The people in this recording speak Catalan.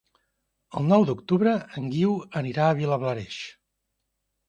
El nou d'octubre en Guiu anirà a Vilablareix.